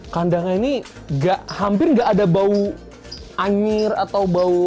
kandangnya ini hampir nggak ada bau anjir atau bau